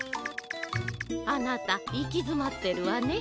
あなたいきづまってるわね。